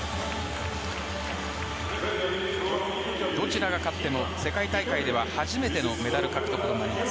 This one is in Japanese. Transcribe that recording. どちらが勝っても世界大会では初めてのメダル獲得となります。